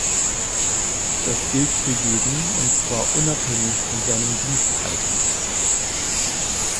Das gilt für jeden, und zwar unabhängig von seinem Dienstalter.